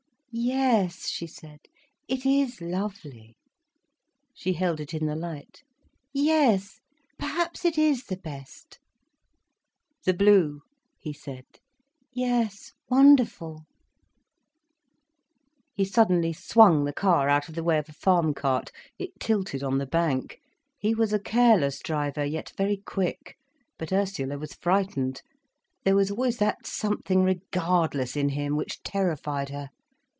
"Yes," she said, "it is lovely." She held it in the light. "Yes, perhaps it is the best—" "The blue—" he said. "Yes, wonderful—" He suddenly swung the car out of the way of a farm cart. It tilted on the bank. He was a careless driver, yet very quick. But Ursula was frightened. There was always that something regardless in him which terrified her.